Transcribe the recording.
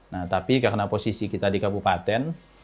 nah tapi karena posisi kita di kabupaten